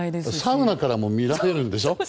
サウナからも見られるんでしょ。